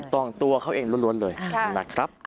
ถูกต้องตัวเองล้วนเลยนะครับ